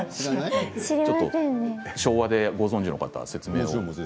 昭和でご存じの方、説明を。